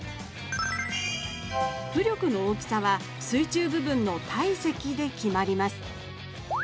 浮力の大きさは水中部分の体積で決まります。